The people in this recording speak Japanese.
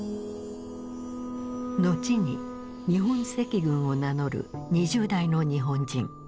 後に日本赤軍を名乗る２０代の日本人。